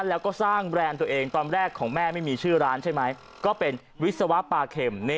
แล้วก็สร้างแบรนด์ตัวเองตอนแรกของแม่ไม่มีชื่อร้านใช่ไหมก็เป็นวิศวะปลาเข็ม